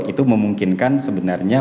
itu memungkinkan sebenarnya